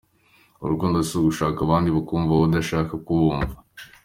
Urukundo si ugushaka ko abandi bakumva wowe udashaka kubumva.